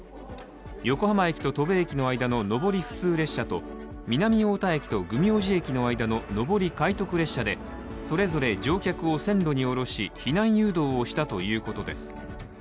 横浜駅と戸部駅の間の上り普通列車と南太田駅と弘明寺駅の間の上り快特列車でそれぞれ乗客を線路に降ろし避難誘導をしたということです。